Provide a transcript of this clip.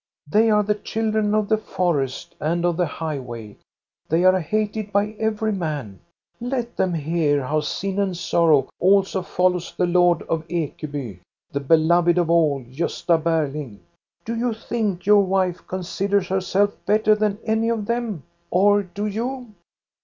They are the children of the forest, and of the highway ; they are hated by every man. Let them hear how sin and sorrow also follows the lord of Ekeby, the beloved of all, Gosta Berling ! Do you think your wife considers herself better than any one of them — or do you